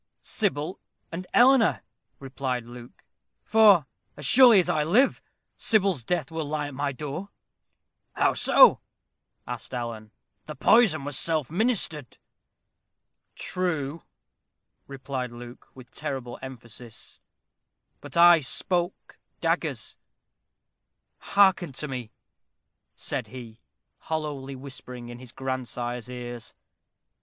"Sybil and Eleanor," replied Luke; "for, as surely as I live, Sybil's death will lie at my door." "How so?" asked Alan; "the poison was self ministered." "True," replied Luke, with terrible emphasis, "but I spoke daggers. Hearken to me," said he, hollowly whispering in his grandsire's ears.